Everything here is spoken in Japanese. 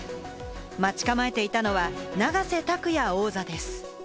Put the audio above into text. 待ち構えていたのは永瀬拓矢王座です。